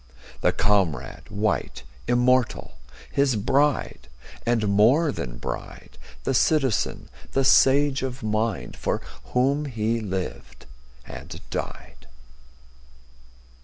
The comrade, white, immortal, His bride, and more than bride— The citizen, the sage of mind, For whom he lived and died.